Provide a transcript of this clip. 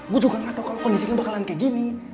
gue juga gak tau kalo kondisinya bakalan kayak gini